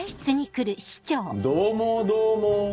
どうもどうも。